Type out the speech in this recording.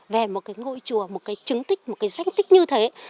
về một cái ngôi chùa một cái chứng tích một cái danh tích như thế